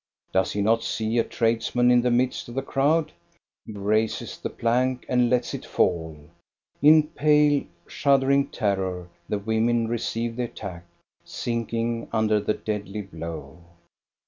Does he not see a tradesman in the midst of the crowd.? He raises the plank and lets it fall. In pale, shuddering terror the women receive the attack, sinking under the deadly blow.